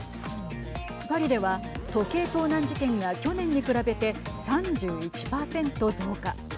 パリでは時計盗難事件が去年に比べて３１％増加。